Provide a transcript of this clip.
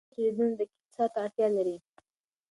کوچني اسټروېډونه دقیق څار ته اړتیا لري.